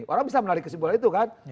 orang bisa menarik kesimpulan itu kan